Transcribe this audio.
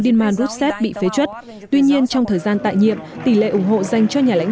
diêman roussette bị phế chuất tuy nhiên trong thời gian tại nhiệm tỷ lệ ủng hộ dành cho nhà lãnh